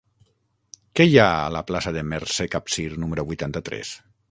Què hi ha a la plaça de Mercè Capsir número vuitanta-tres?